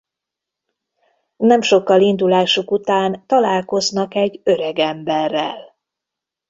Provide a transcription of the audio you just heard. Nem sokkal indulásuk után találkoznak egy öregemberrel.